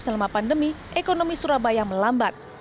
selama pandemi ekonomi surabaya melambat